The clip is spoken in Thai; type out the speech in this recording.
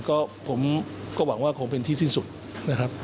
ก็ผมก็หวังว่าคงเป็นที่สิ้นสุดนะครับ